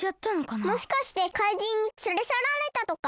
もしかしてかいじんにつれさられたとか？